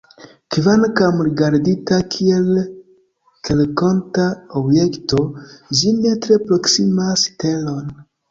Kvankam rigardita kiel terrenkonta objekto, ĝi ne tre proksimas Teron.